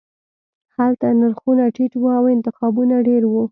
هلته نرخونه ټیټ وو او انتخابونه ډیر وو